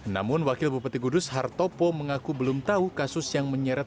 namun wakil bupati kudus hartopo mengaku belum tahu kasus yang menyeret